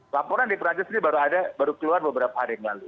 laporan di perancis ini baru keluar beberapa hari yang lalu